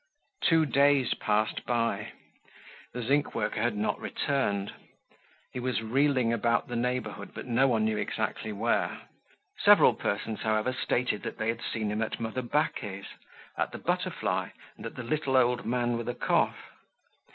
Two days passed by. The zinc worker had not returned. He was reeling about the neighborhood, but no one knew exactly where. Several persons, however, stated that they had seen him at mother Baquet's, at the "Butterfly," and at the "Little Old Man with a Cough."